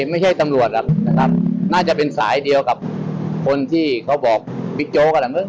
ไม่ใช่ตำรวจหรอกนะครับน่าจะเป็นสายเดียวกับคนที่เขาบอกบิ๊กโจ๊กนั่นแหละมั้